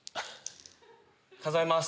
数えます。